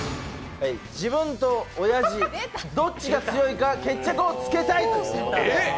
自分と親父とどっちが強いか決着をつけたい。